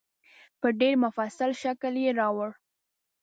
په ډېر مفصل شکل یې راوړه.